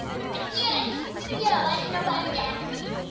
よし次はわしの番じゃ！